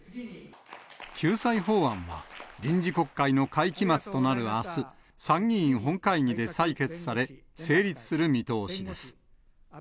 救済法案は臨時国会の会期末となるあす、参議院本会議で採決され、成立する見通しです。